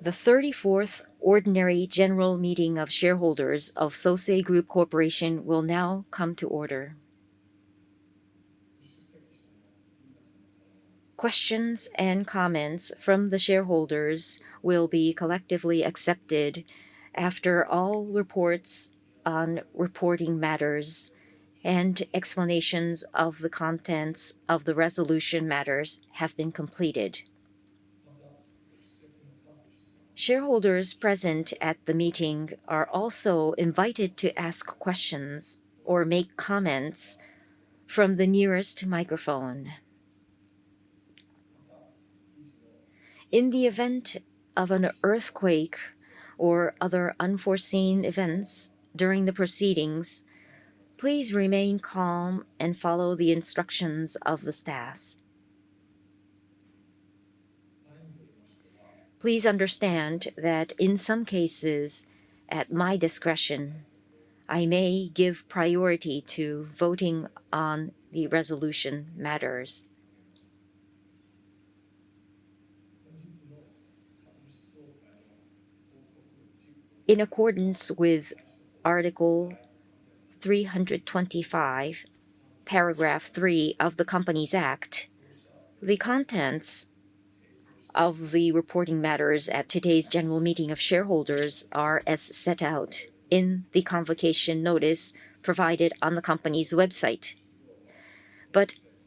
The 34th ordinary general meeting of shareholders of Sosei Group Corporation will now come to order. Questions and comments from the shareholders will be collectively accepted after all reports on reporting matters and explanations of the contents of the resolution matters have been completed. Shareholders present at the meeting are also invited to ask questions or make comments from the nearest microphone. In the event of an earthquake or other unforeseen events during the proceedings, please remain calm and follow the instructions of the staff. Please understand that in some cases, at my discretion, I may give priority to voting on the resolution matters. In accordance with Article 325, Paragraph 3 of the Companies Act, the contents of the reporting matters at today's general meeting of shareholders are as set out in the convocation notice provided on the company's website.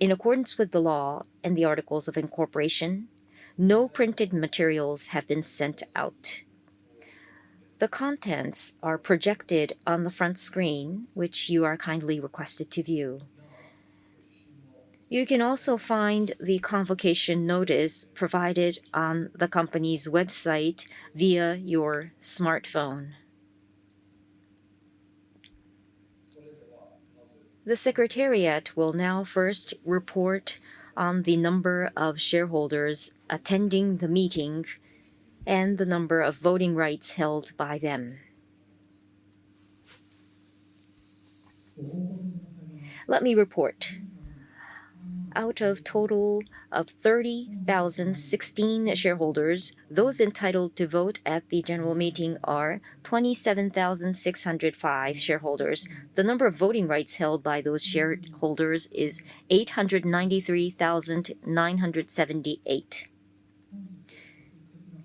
In accordance with the law and the Articles of Incorporation, no printed materials have been sent out. The contents are projected on the front screen, which you are kindly requested to view. You can also find the Convocation Notice provided on the company's website via your smartphone. The Secretariat will now first report on the number of shareholders attending the meeting and the number of voting rights held by them. Let me report. Out of total of 30,016 shareholders, those entitled to vote at the general meeting are 27,605 shareholders. The number of voting rights held by those shareholders is 893,978.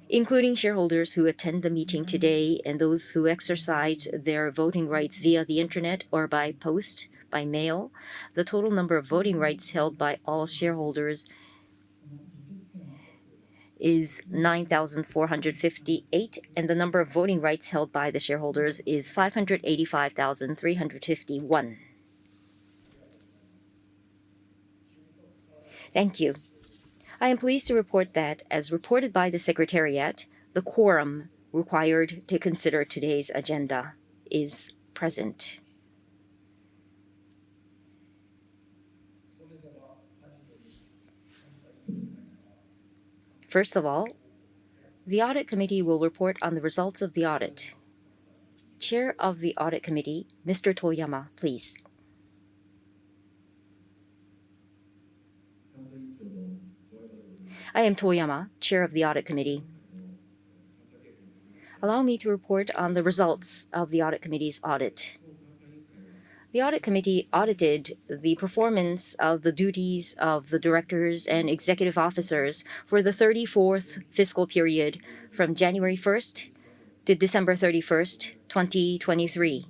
Including shareholders who attend the meeting today and those who exercise their voting rights via the Internet or by post, by mail, the total number of voting rights held by all shareholders is 9,458, and the number of voting rights held by the shareholders is 585,351. Thank you. I am pleased to report that as reported by the Secretariat, the quorum required to consider today's agenda is present. First of all, the Audit Committee will report on the results of the audit. Chair of the Audit Committee, Mr. Tohyama, please. I am Tohyama, Chair of the Audit Committee. Allow me to report on the results of the Audit Committee's audit. The Audit Committee audited the performance of the duties of the directors and executive officers for the 34th fiscal period from January 1st-December 31st, 2023.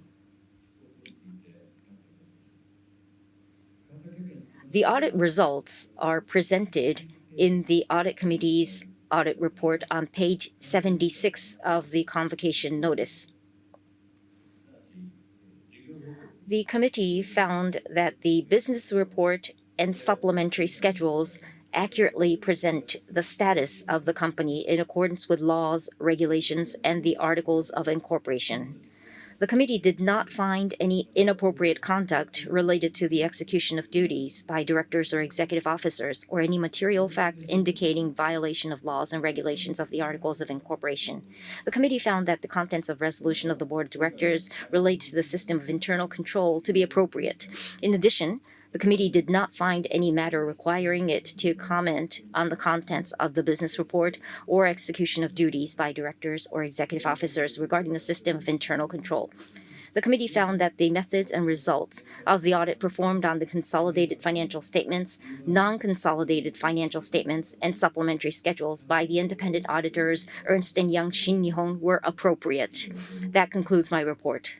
The audit results are presented in the Audit Committee's audit report on page 76 of the Convocation Notice. The committee found that the business report and supplementary schedules accurately present the status of the company in accordance with laws, regulations, and the Articles of Incorporation. The committee did not find any inappropriate conduct related to the execution of duties by directors or executive officers, or any material facts indicating violation of laws and regulations of the Articles of Incorporation. The committee found that the contents of resolution of the Board of Directors relates to the system of internal control to be appropriate. In addition, the committee did not find any matter requiring it to comment on the contents of the business report or execution of duties by directors or executive officers regarding the system of internal control. The committee found that the methods and results of the audit performed on the consolidated financial statements, non-consolidated financial statements, and supplementary schedules by the independent auditors, Ernst & Young ShinNihon, were appropriate. That concludes my report.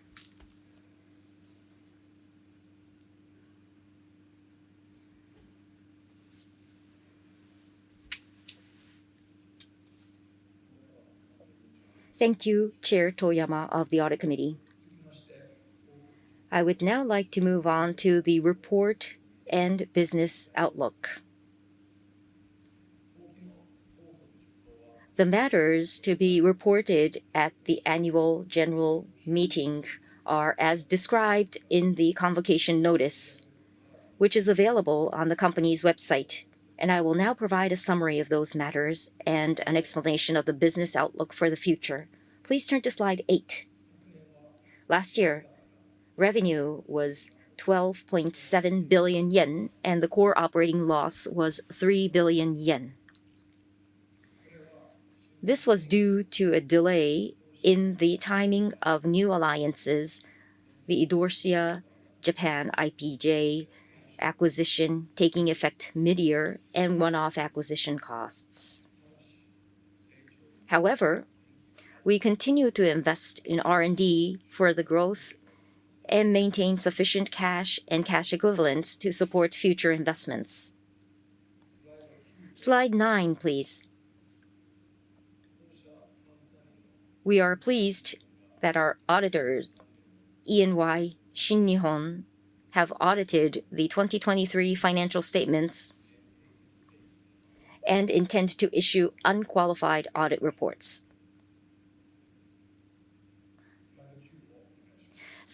Thank you, Chair Tohyama of the Audit Committee. I would now like to move on to the report and business outlook. The matters to be reported at the annual general meeting are as described in the convocation notice, which is available on the company's website, and I will now provide a summary of those matters and an explanation of the business outlook for the future. Please turn to Slide 8. Last year, revenue was 12.7 billion yen, and the core operating loss was 3 billion yen. This was due to a delay in the timing of new alliances, the Idorsia Japan IPJ acquisition taking effect mid-year and one-off acquisition costs. However, we continue to invest in R&D for the growth and maintain sufficient cash and cash equivalents to support future investments. Slide 9, please. We are pleased that our auditors, E&Y ShinNihon, have audited the 2023 financial statements and intend to issue unqualified audit reports.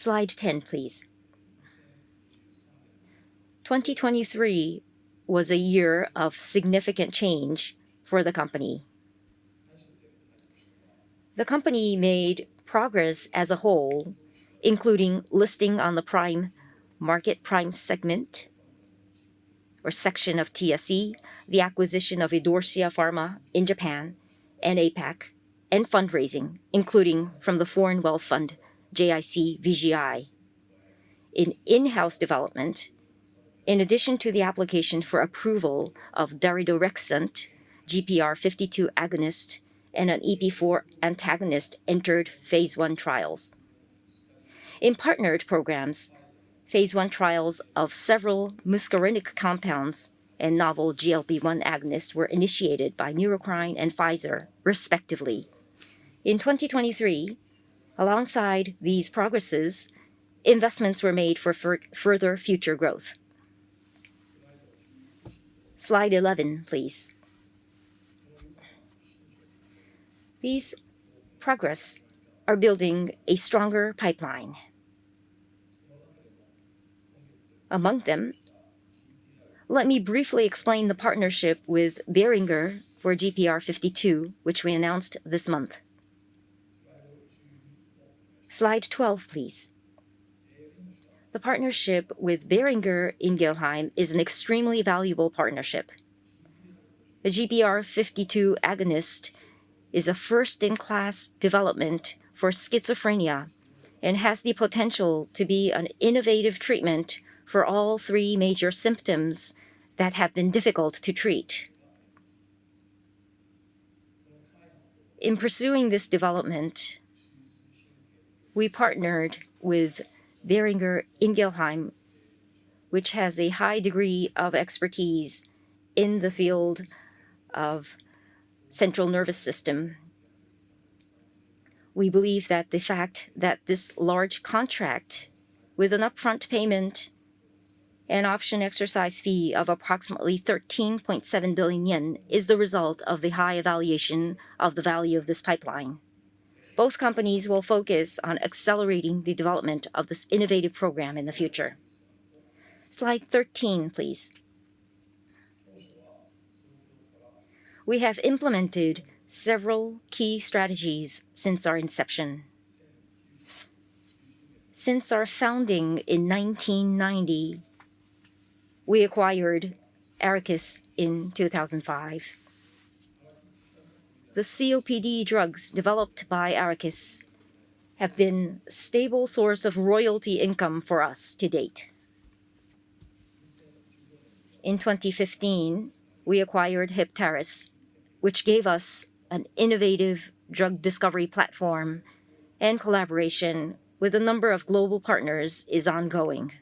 Slide 10, please. 2023 was a year of significant change for the company. The company made progress as a whole, including listing on the Prime Market Prime segment or section of TSE, the acquisition of Idorsia Pharma in Japan and APAC, and fundraising, including from the sovereign wealth fund JIC VGI. In-house development, in addition to the application for approval of daridorexant, GPR52 agonist and an EP4 antagonist entered phase 1 trials. In partnered programs, phase 1 trials of several muscarinic compounds and novel GLP-1 agonists were initiated by Neurocrine and Pfizer, respectively. In 2023, alongside these progresses, investments were made for further future growth. Slide 11, please. These progress are building a stronger pipeline. Among them, let me briefly explain the partnership with Boehringer for GPR52, which we announced this month. Slide 12, please. The partnership with Boehringer Ingelheim is an extremely valuable partnership. The GPR52 agonist is a first-in-class development for schizophrenia and has the potential to be an innovative treatment for all three major symptoms that have been difficult to treat. In pursuing this development, we partnered with Boehringer Ingelheim, which has a high degree of expertise in the field of central nervous system. We believe that the fact that this large contract with an upfront payment and option exercise fee of approximately 13.7 billion yen is the result of the high evaluation of the value of this pipeline. Both companies will focus on accelerating the development of this innovative program in the future. Slide 13, please. We have implemented several key strategies since our inception. Since our founding in 1990, we acquired Arakis in 2005. The COPD drugs developed by Arakis have been a stable source of royalty income for us to date. In 2015, we acquired Heptares, which gave us an innovative drug discovery platform, and collaboration with a number of global partners is ongoing.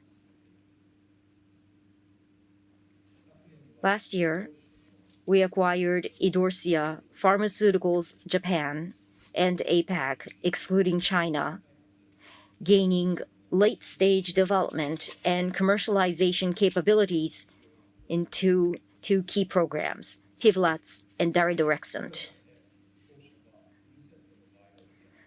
Last year, we acquired Idorsia Pharmaceuticals Japan and APAC, excluding China, gaining late-stage development and commercialization capabilities in two key programs: PIVLAZ and daridorexant.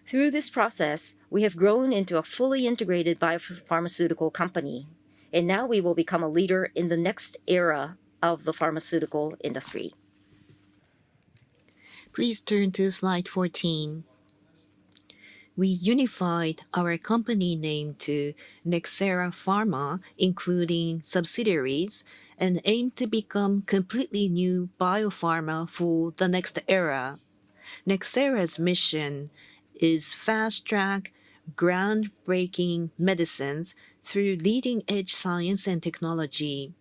Through this process, we have grown into a fully integrated biopharmaceutical company, and now we will become a leader in the next era of the pharmaceutical industry. Please turn to Slide 14. We unified our company name to Nxera Pharma, including subsidiaries, and aim to become completely new biopharma for the next era. Nxera's mission is fast-track groundbreaking medicines through leading-edge science and technology.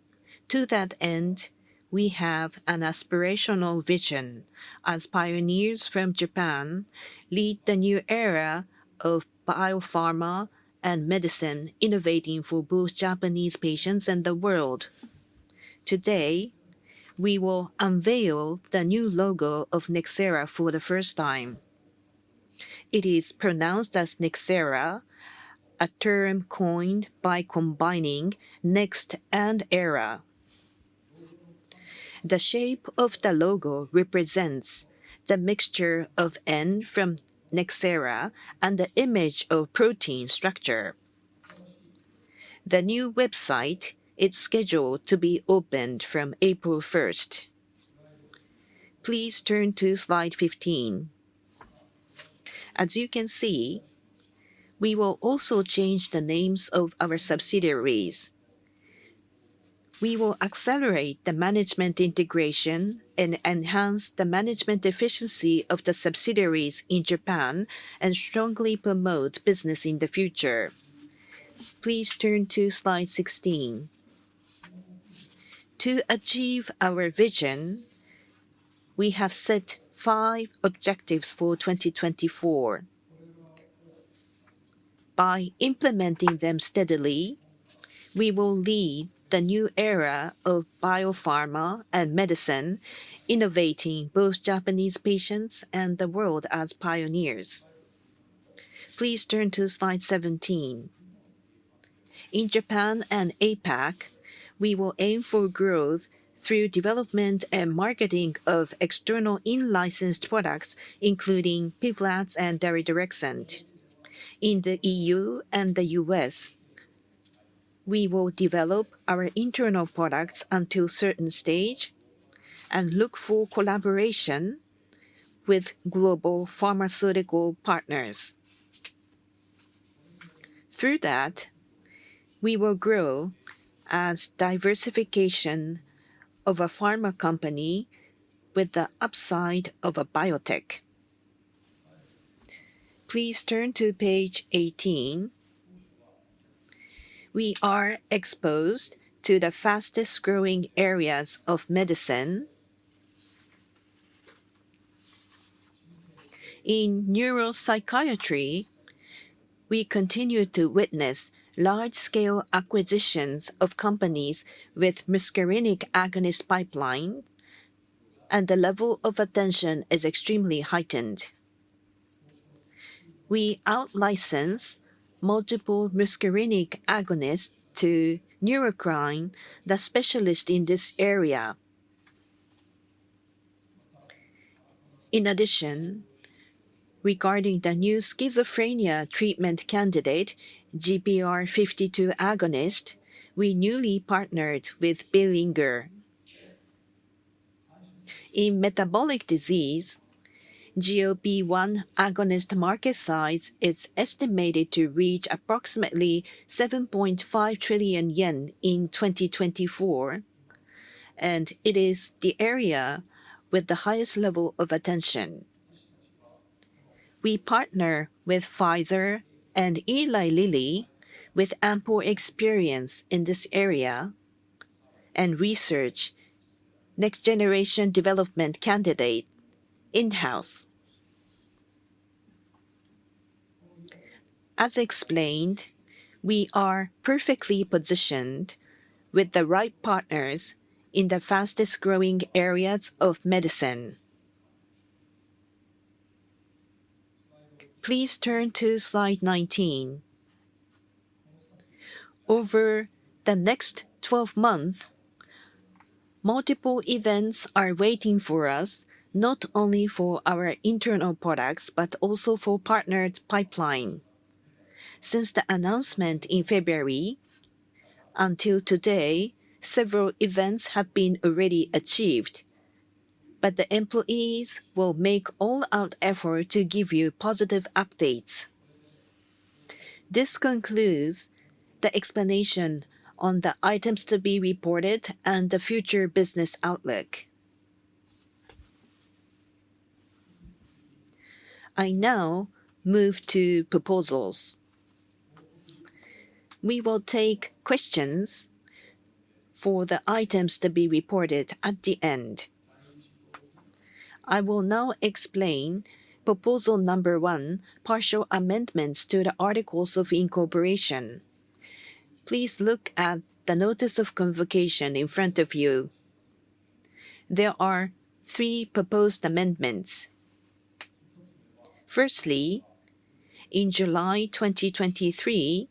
To that end, we have an aspirational vision as pioneers from Japan lead the new era of biopharma and medicine, innovating for both Japanese patients and the world. Today, we will unveil the new logo of Nxera for the first time. It is pronounced as Nxera, a term coined by combining next and era. The shape of the logo represents the mixture of N from Nxera and the image of protein structure.... The new website is scheduled to be opened from April 1st. Please turn to Slide 15. As you can see, we will also change the names of our subsidiaries. We will accelerate the management integration and enhance the management efficiency of the subsidiaries in Japan, and strongly promote business in the future. Please turn to Slide 16. To achieve our vision, we have set 5 objectives for 2024. By implementing them steadily, we will lead the new era of biopharma and medicine, innovating both Japanese patients and the world as pioneers. Please turn to Slide 17. In Japan and APAC, we will aim for growth through development and marketing of external in-licensed products, including PIVLAZ and daridorexant. In the EU and the US, we will develop our internal products until certain stage and look for collaboration with global pharmaceutical partners. Through that, we will grow as diversification of a pharma company with the upside of a biotech. Please turn to page 18. We are exposed to the fastest growing areas of medicine. In neuropsychiatry, we continue to witness large-scale acquisitions of companies with muscarinic agonist pipeline, and the level of attention is extremely heightened. We out-license multiple muscarinic agonists to Neurocrine, the specialist in this area. In addition, regarding the new schizophrenia treatment candidate, GPR52 agonist, we newly partnered with Boehringer. In metabolic disease, GLP-1 agonist market size is estimated to reach approximately 7.5 trillion yen in 2024, and it is the area with the highest level of attention. We partner with Pfizer and Eli Lilly, with ample experience in this area, and research next generation development candidate in-house. As explained, we are perfectly positioned with the right partners in the fastest growing areas of medicine. Please turn to Slide 19. Over the next 12 months, multiple events are waiting for us, not only for our internal products, but also for partnered pipeline. Since the announcement in February until today, several events have been already achieved, but the employees will make all-out effort to give you positive updates. This concludes the explanation on the items to be reported and the future business outlook. I now move to proposals. We will take questions for the items to be reported at the end. I will now explain proposal number one, partial amendments to the articles of incorporation. Please look at the notice of convocation in front of you. There are three proposed amendments. Firstly, in July 2023,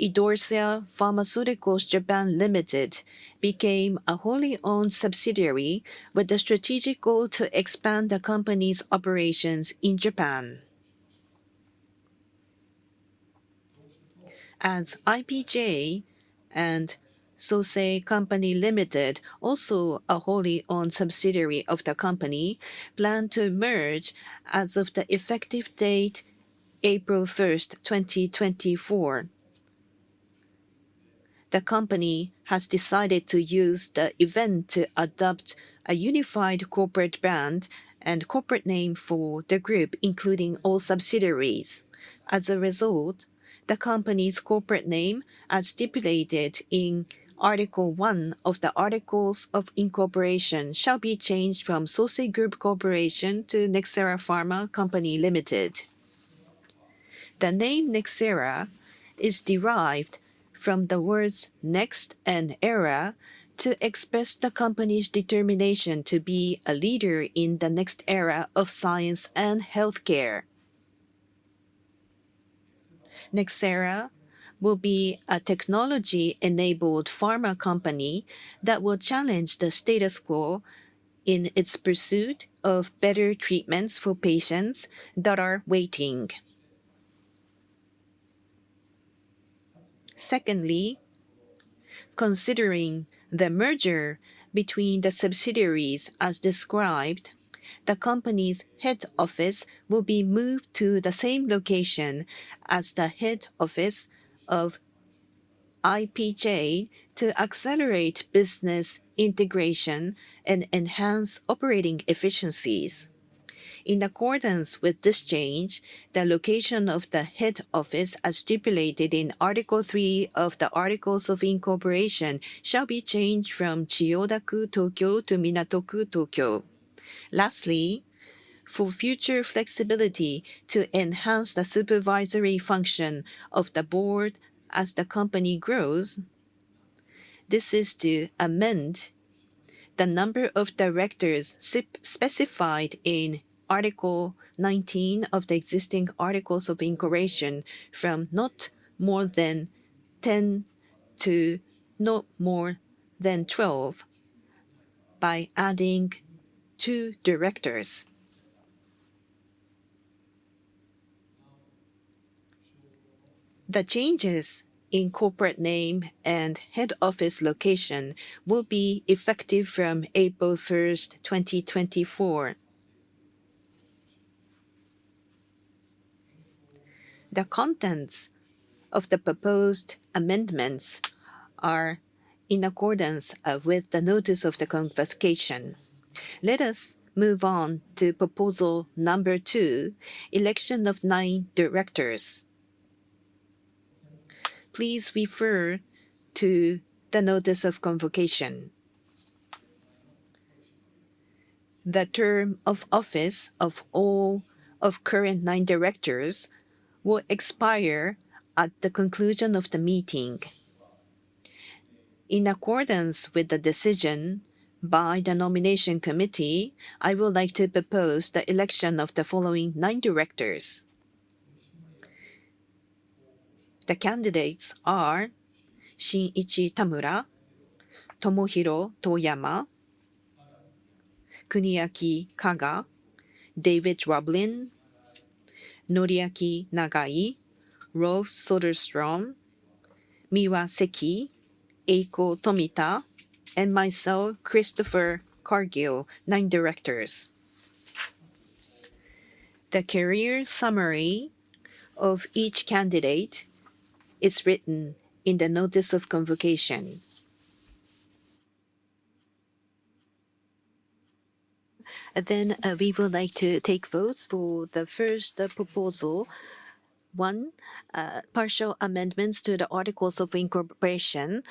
Idorsia Pharmaceuticals Japan Limited became a wholly-owned subsidiary with the strategic goal to expand the company's operations in Japan. As IPJ and Sosei Company Limited, also a wholly-owned subsidiary of the company, plan to merge as of the effective date April 1st, 2024. The company has decided to use the event to adopt a unified corporate brand and corporate name for the group, including all subsidiaries. As a result, the company's corporate name, as stipulated in Article one of the Articles of Incorporation, shall be changed from Sosei Group Corporation to Nxera Pharma Co., Ltd. The name Nxera is derived from the words next and era to express the company's determination to be a leader in the next era of science and healthcare. Nxera will be a technology-enabled pharma company that will challenge the status quo and in its pursuit of better treatments for patients that are waiting. Secondly, considering the merger between the subsidiaries as described, the company's head office will be moved to the same location as the head office of IPJ to accelerate business integration and enhance operating efficiencies. In accordance with this change, the location of the head office, as stipulated in Article III of the Articles of Incorporation, shall be changed from Chiyoda-ku, Tokyo, to Minato-ku, Tokyo. Lastly, for future flexibility to enhance the supervisory function of the board as the company grows, this is to amend the number of directors specified in Article 19 of the existing Articles of Incorporation from not more than 10 to not more than 12, by adding two directors. The changes in corporate name and head office location will be effective from April 1st, 2024. The contents of the proposed amendments are in accordance with the notice of the convocation. Let us move on to proposal number 2: election of nine directors. Please refer to the notice of convocation. The term of office of all of current nine directors will expire at the conclusion of the meeting. In accordance with the decision by the nomination committee, I would like to propose the election of the following nine directors. The candidates are Shinichi Tamura, Tomohiro Tohyama, Kuniaki Kaga, David Roblin, Noriaki Nagai, Rolf Soderstrom, Miwa Seki, Eiko Tomita, and myself, Christopher Cargill, nine directors. The career summary of each candidate is written in the notice of convocation. Then, we would like to take votes for the first proposal. One, partial amendments to the Articles of Incorporation.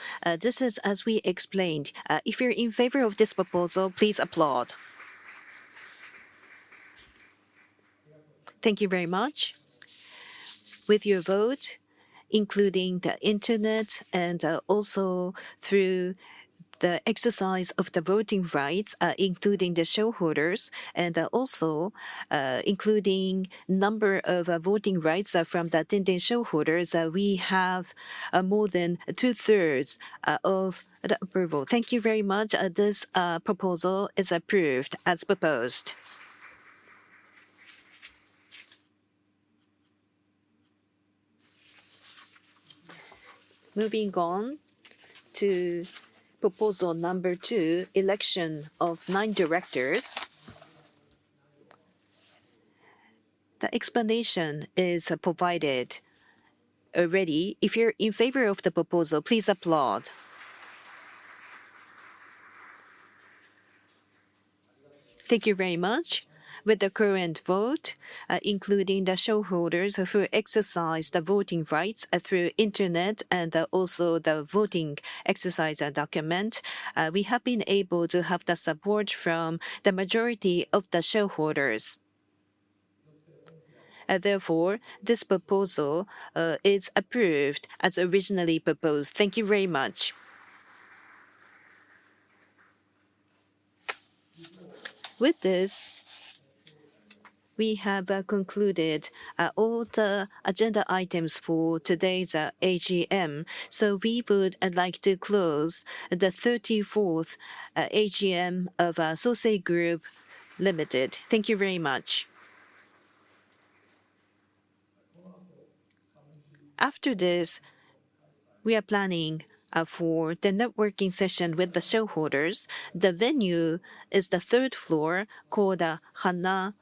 This is as we explained. If you're in favor of this proposal, please applaud. Thank you very much. With your vote, including the internet and, also through the exercise of the voting rights, including the shareholders, and, also, including number of, voting rights, from the attending shareholders, we have, more than two-thirds, of the approval. Thank you very much. This proposal is approved as proposed. Moving on to proposal number two: election of nine directors. The explanation is provided already. If you're in favor of the proposal, please applaud. Thank you very much. With the current vote, including the shareholders who exercise the voting rights through internet and also the voting exercise document, we have been able to have the support from the majority of the shareholders. Therefore, this proposal is approved as originally proposed. Thank you very much. With this, we have concluded all the agenda items for today's AGM, so we would like to close the thirty-fourth AGM of Sosei Group Corporation. Thank you very much. After this, we are planning for the networking session with the shareholders. The venue is the third floor, called Hana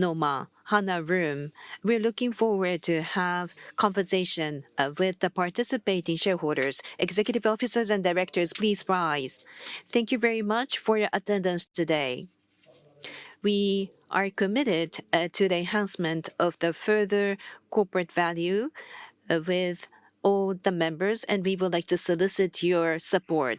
no Ma, Hana Room. We're looking forward to have conversation with the participating shareholders. Executive officers and directors, please rise. Thank you very much for your attendance today. We are committed to the enhancement of the further corporate value with all the members, and we would like to solicit your support.